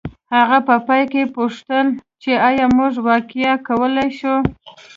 هغه په پای کې وپوښتل چې ایا موږ واقعیا کولی شو